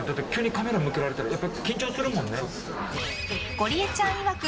ゴリエちゃんいわく